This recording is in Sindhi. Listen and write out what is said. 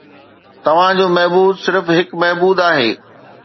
توهان جو معبود صرف هڪ معبود آهي